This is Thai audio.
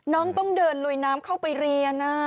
น้องต้องเดินลุยน้ำเข้าไปเรียน